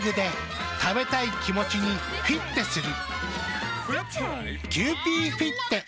食べたい気持ちにフィッテする。